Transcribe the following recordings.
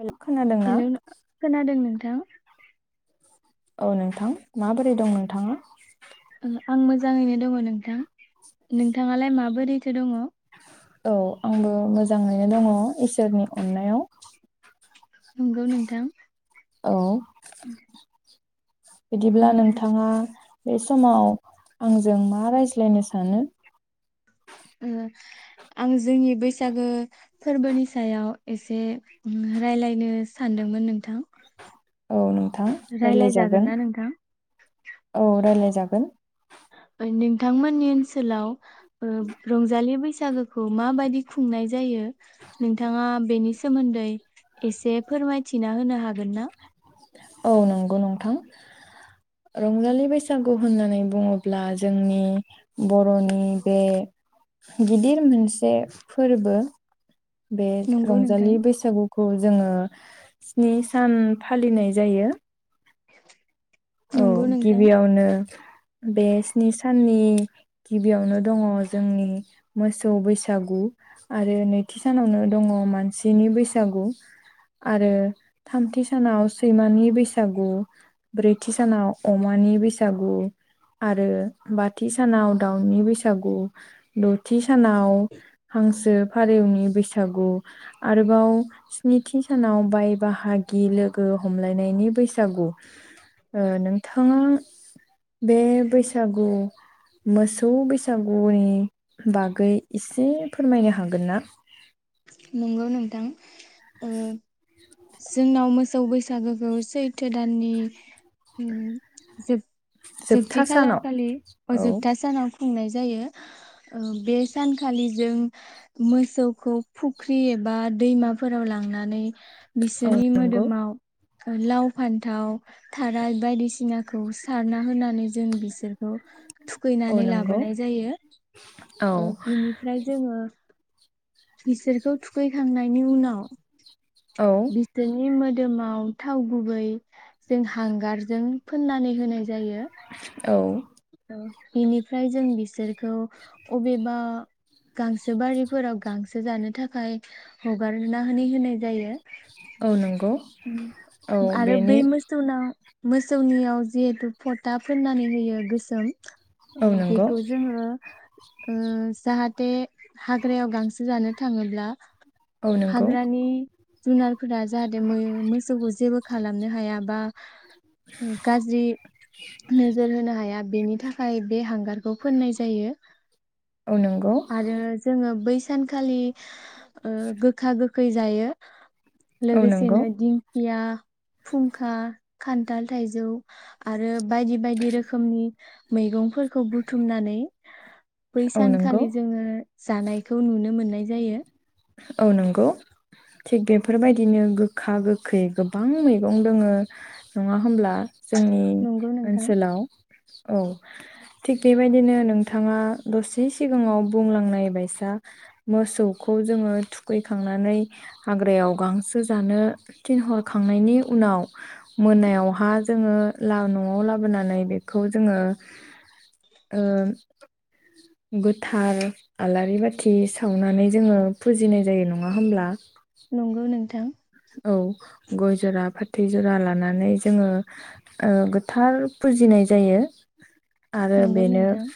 हेल' खोनादोंना हेलौ खोनादों नों नों औ नोंथां माबोरै दं नोंथाङा आं मोजाङैनो दङ नोंथां नोंथाङालाय माबोर रैथो दङ औ आंबो मोजाङैनो दंङ इसोरनि अननायाव नंगौ नोंथां औ बिदिब्ला उम नोंथाङा बे समाव आंजों मा रायज्लायनो सानो आं जोंनि बैसागो फोरबोनि सायाव एसे रायलायनो सानदोंमोन नोंथां ओम थां रायलाय रायलायजागोन जागोन ना नोंथां औ रायलाय जागोन ओ नोंथांमोननि ओनसोलाव रंजालि बैसागोखौ माबायदि खुंनाय जायो नोंथाङा बेनि सोमोन्दै एसे फोरमायथिना होनो हागोन ना औ नंगौ नंथां रंजालि बैसागु होननानै बुङोब्ला जोंनि बर'नि बे गिदिर मोनसे फोरबो बे नंगौ नोंथां रंजालि बैसागु खौ जोङो स्नि सान फालिनाय जायो। औ नंगौ नोंथां गिबियावनो बे स्नि साननि गिबियावनो दङ जोंनि मोसौ बैसागु आरो नैथि सानावनो दङ मानसिनि बैसागु आरो थामथि सानाव सैमानि बैसागु ब्रै थि सानाव अमानि बैसागु आरो बाथि सानाव दाउनि बैसागु दथि सानाव हांसो फारेवनि बैसागु आरोबाव स्निथि सानाव बाय बाहागि लोगो हमलायनायनि बैसागु। ओ नोंथाङा बे बैसागु मोसौ बैसागुनि बागै एसे फोरमायनो हागोन ना नंगौ नोंथां ओ जोंनाव मोसौ बैसागोखौ सैथो दाननि उम जोब जोबथा जोबथि सानाव खालारखालि औ अजोबथा सानाव खुंनाय जायो ओ बे सानखालि जों मोसौखौ फुख्रि एबा दैमाफोराव लांनानै औ बिसोरनि नंगौ मोदोमाव लाव, फान्थाव, थाराय बायदिसिनाखौ सारना होनानै जों बिसोर खौ औ थुखैनानै नंगौ लाबोनाय औ जायो बिनिफ्राय जोङो बिसोरखौ थुखैखांनायनि उनाव औ बिस्नि मो दोमाव थाव गुबै जों हांगारजों फोननानै होनाय जा जायो। औ बेनिफ्राय जों बिसोरखौ अबेबा गांसो बारिफोराव गांसो जानो थाखाय हगारना होन होनाय जायो। औ नंगौ औ आरो बै बेनि मोसौनाव मोसौनियाव जिहेतु फथा फोननानै होयो गो सोम औ ओ नंगौ बेखौ जोङो ओ जाहा बे हाग्रायाव गांसो जानो थाङोब्ला? औ नंगौ हाग्रानि जुनार फोरा जाहाथे मो मोसौखौ जेबो खालामनो हाया बा गाज्रि नोजोर होनो हाया। बेनि थाखाय बे हांगारखौ फोननाय जायो। औ नंगौ आरो जोङो बैस सानखालि ओ गोखा गोख खै जायो। औ नंगौ लोगोसेनो दिंखिया फुंखा खान्थाल थाइजौ आरो बायदि बायदि रोखोमनि मैगंफोरखौ बुथुमनानै बै औ नंगौ सानखालि जोङो जानायखौ नुनो मोननाय जायो। औ नंगौ थिग बेफोरबायदिनो गोखा गोखै गोबां मैगं दोङो नङा होमब्ला? जोंनि नंगौ नोंथां ओनसोलाव औ थिग बेबायदिनो नोंथाङा दसे सिगाङाव बुंलांनाय बायसा मोसौख खौ जोङो थुखैखांनानै हाग्रायाव गांसो जानो थिनहरखांनायनि उनाव मोनायावहा जोङो ला नआव लाबोनानै बेखौ जोङो ओ गोथार आलारि बाथि सावनानै जोङो फुजिनाय जायो नङा होमब्ला नंगौ नों थां औ गय जरा फाथै जरा लानानै जोङो ओ गोथार फुजिनाय जायो। आरो नंगौ बेनो नोंथां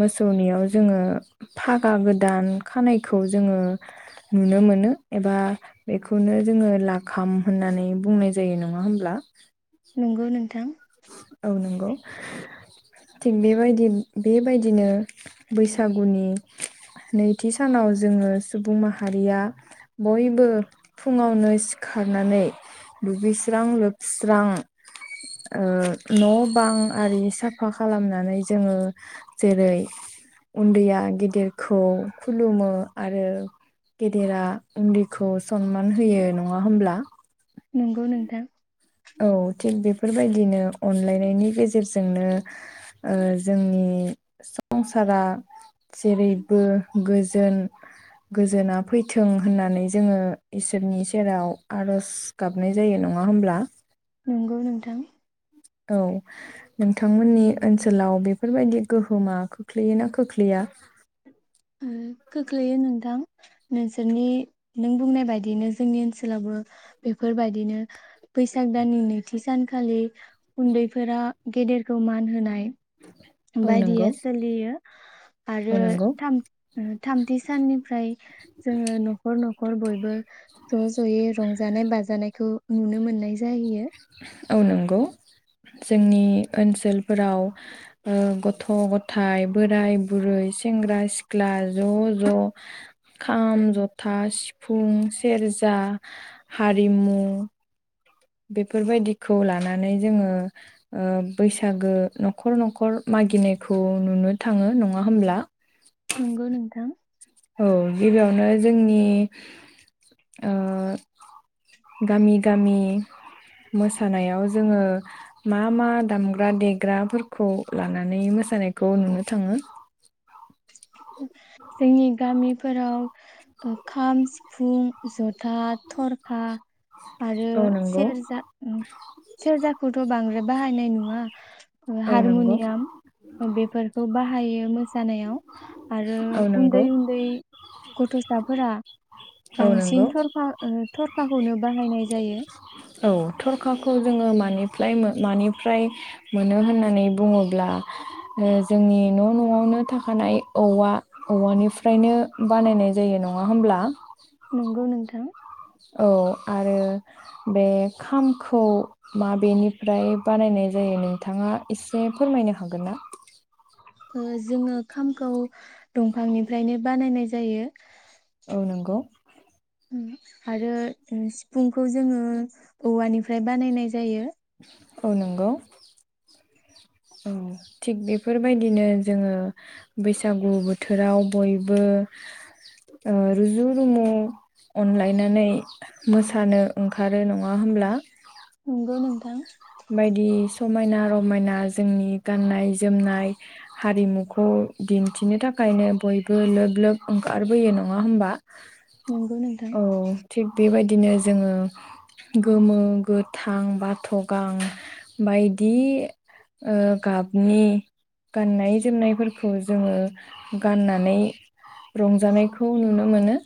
मोसो मोनायाव जोङो फागा गोदान खानायखौ जोङो नुनो मोनो एबा बेखौनो जोङो लाखाम होननानै बुंनाय जायो नङा होमब्ला? नंगौ नोंथां अ नंगौ थिग बेबायदि बेबायदिनो बैसागुनि नैथि सानाव जोङो सुबुं माहारिया बयबो फुङावनो सिखारनानै दुगैस्रां लोबस्रां ओ न बां आरि साफा खालामनानै जोङो जेरै उन्दैया गेदेरखौ खुलुमो आरो गेदेरा उन्दैखौ सनमान होयो नङा होमब्ला? नंगौ नोंथां औ थिग बेफोरबायदिनो अनलायनायनि गेजेरजोंनो ओ जोंनि संसारा जेरैबो गोजोन गोजोना फैथों होननानै जोङो इसोरनि सेराव आरज गाबनाय जायो नङा होमब्ला? नंगौ नोंथां। औ नोंथांमोननि ओनसोलाव बेफोरबायदि गोहोमा खोख्लैयोना खोख्लैया? ओ खोख्लैयो नोंथां नोंसोरनि नों बुंनाय बायदिनो जोंनि ओनसोलावबो बेफोरबायदिनो बैसाग दाननि नैथि सानखालि उन्दैफोरा गेदेरखौ मान होनाय औ नंगौ बायदिया सोलियो आरो औ नंगौ थामथि साननिफ्राय जोङो न'खर न'खर खर बयबो ज' ज'यै रंजानाय बाजानायखौ नुनो मोननाय जाहयो। औ नंगौ जोंनि ओनसोलफोराव ओ गथ' गथायाइ बोराय बुरै सेंग्रा सिख्ला ज' ज' खाम जथा सिफुं सेरजा हारिमु बेफोरबायदिखौ लानानै जोङो बैसागो न'खर न'खर मागिनायखौ नुनो थाङो नङा होमब्ला। नंगौ नोंथां औ गिबियावनो जोंनि गामि गामि मोसानायाव जोङो मा मा दामग्रा देग्राफोरखौ लानानै मोसानायखौ नुनो थाङो। जोंनि गामि फोराव खाम, सिफुं, जथा, थरखा आरो औ नंगौ सेरजा सेरजाखौथ' बांद्राय बाहाया नाय नुवा औ नंगौ हारमुनियाम बेफोरखौ बाहायो मोसानायाव आरो औ उन्दै नंगौ उन्दै गथ'साफोरा औ नंगौ बांसिन थरखा ओ थरखाखौनो बाहायनाय जायो। औ थरखाखौ जोङो मानिफ्राय मानिफ्राय मोनो होननानै बुङोब्ला जोंनि न' न'आवनो थाखानाय औवा औवानिफ्रायनो बानायनाय जायो नङा होमब्ला। नंगौ नोंथां थां औ आरो बे खामखौ माबेनिफ्राय बानायनाय जायो नोंथाङा एसे फोरमायनो हागोन ना। जोङो खामखौ दंफांनिफ्रायनो बानायनाय जायो। औ नंगौ आरो सिफुंखौ जोङो औवानिफ्राय बानायनाय जायो औ नंगौ औ थिग बेफोरबायदिनो जोङो बैसागु बोथोराव बयबो रुजु रुमु अनलायनानै मोसानो ओंखारो नङा होमब्ला। नंगौ नोंथां बायदि समायना रमायना जोंनि गाननाय जोमनाय हारिमुखौ दिन्थिनो थाखायनो बयबो लोब लोब ओंखारबोयो नङा होमबा। नंगौ नोंथां औ थिक बेबायदि बिदिनो जोङो गोमो गोथां बाथ' गां बायदि ओ गाबनि गाननाय जोमनायफोरखौ खौ जोङो गाननानै रंजानायखौ नुनो मोनो।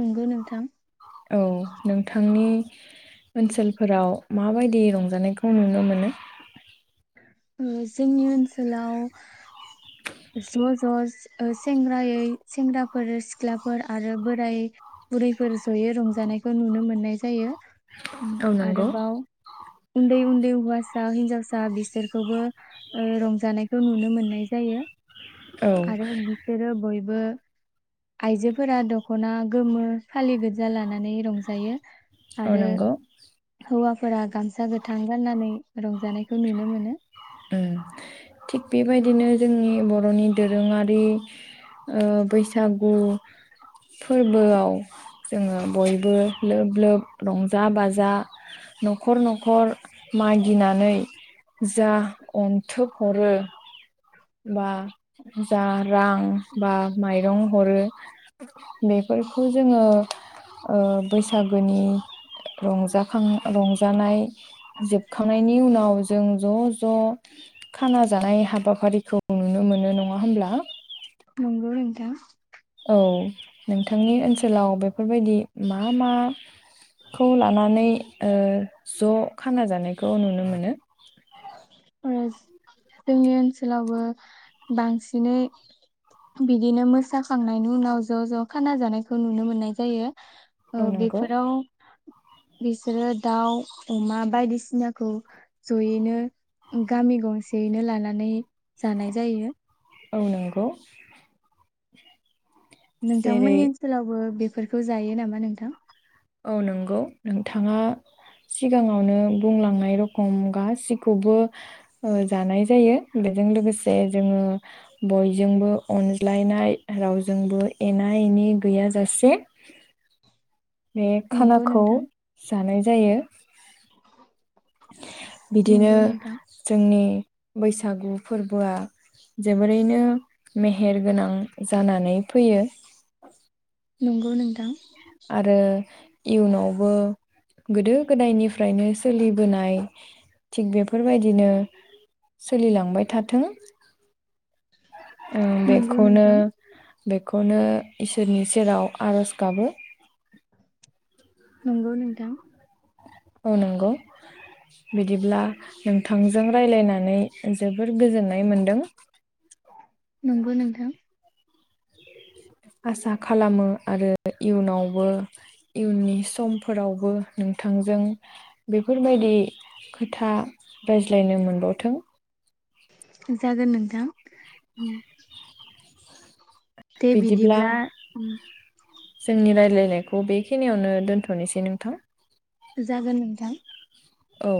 नंगौ नोंथां। औ नोंथांनि ओनसोलफोराव माबायदि रंजानायखौ नुनो मोनो? जोंनि ओनसोलाव ज' ज' ओ सेंग्रायै सेंग्राफोर सिख्लाफोर आरो बोराय बुरैफोर जयै रंजानायखौ नुनो मोननाय जायो। औ नंगौ। आरोबाव उन्दै उन्दै होवासा हिनजासा दा बिसोरखौबो रंजानायखौ नुनो मोननाय जायो। औ आरो बिसोरो बयबो बो आइजोफोरा दख'ना गोमो फालिगोजा लाना नै रंजायो औ आरो नंगौ हौवाफोरा गामसा गोथां गाननानै रंजानायखौ नुनो मोनो ओं थिग बेबायदिनो ज जोंनि बर'नि दोरोङारि ओ बैसागु फोरबोआव जोंङो बयबो लोब लोब रंजा बाजा न'खर न'खर मागिनानै जा अन्थोब हरो बा जा रां बा माइरं हरो बेफोरखौ जोङो ओ बैसागोनि रंजाखां रंजानाय जोबखांनायनि उनाव जों ज' ज' खाना जानाय हाबाफारिखौ नुनो मोनो नङा होमब्ला नंगौ ओं दा औ नोंथांनि ओनसोलाव बेफोरबायदि मा मा खौ लानानै ओ ज' खाना जानायखौ नुनो मोनो? ओ जोंनि ओनसोलावबो बांसिनै बिदिनो मोसाखांनायनि उनाव ज' ज' खाना जानायखौ नुनो मोननाय जायो। औ बेफोराव बिसोरो दाउ अमा बायदिसिनाखौ ज'यैनो गामि गंसेयैनो लानानै जानाय जायो। औ नंगौ जेरै नोंथांमोननि ओनसोलावबो बे फोरफोरखौ जायो नामा नोंथां औ नंगौ नोंथाङा सिगाङावनो बुंलांनाय रखम गासिखौबो ओ जानाय जायो बेजों लोगोसे जोङो बयजोंबो अनज्लायनाय रावजोंबो एना एनि गैयाजासे बे नंगौ खानाखौ नोंथां जानाय जायो बिदिनो नंगौ नोंथां जोंनि बैसागु फोरबोआ जोबोरैनो मेहेर गोनां जानानै फैयो नंगौ नोंथां आरो इयुनावबो गोदो गोदायनिफ्रायनो सोलिबोनाय थिग बेफोरबायदिनो सोलिलांबाय थाथों ओं नंगौ बेखौनो नोंथां बेखौनो इसोरनि सेराव आरज गाबो नंगौ नोंथां औ नंगौ बिदिब्ला नोंथांजों राय्लायनानै जोबोर गोजोननाय मोनदों नंगौ नोंथां आसा खालामो आरो इयुनावबो इयुननि समफोरावबो नोंथांजों बेफोरबायदि खोथा रायज्लायनो मोनबावथों। जागोन नोंथां उम दे बिदिब्ला ओम जोंनि रायलायनायखौ बेखिनियावनो दोन्थ'नोसै नोंथां। जागोन नोंथां। औ।